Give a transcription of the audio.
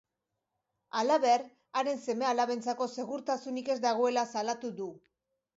Halaber, haren seme-alabentzako segurtasunik ez dagoela salatu du.